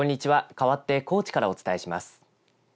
かわって高知からお伝えします。